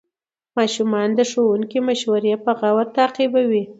ماشومان د ښوونکي مشورې په غور تعقیبوي